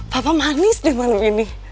papa manis deh malam ini